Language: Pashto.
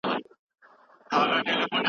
دا کیسه موږ ته د ژوند لوی درس راکوي.